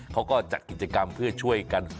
เขาก็จัดกิจกรรมเพื่อช่วยกัน